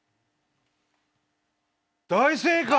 大正解！